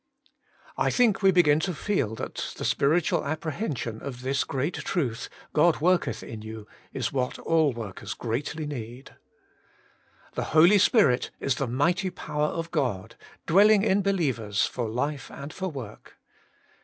1. I think we begin to feel that the spiritual apprehension of this great truth. ' God worketh in you,' is what all workers greatly need. 2. The Holy Spirit is the miglity power of God. dwelling in believers for life and for work.